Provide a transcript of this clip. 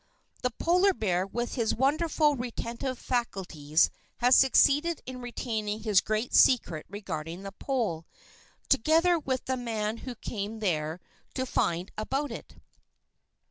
The polar bear, with his wonderful retentive faculties, has succeeded in retaining his great secret regarding the pole, together with the man who came out there to find out about it.